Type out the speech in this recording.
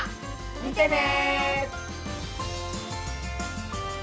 見てね！